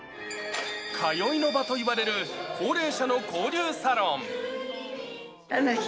通いの場といわれる高齢者の交流サロン。